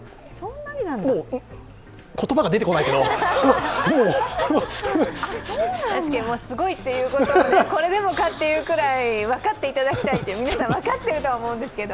言葉が出てこないけど、もうすごいっていうことをこれでもかっていうぐらい分かっていただきたい皆さん、分かってるとは思うんですけど。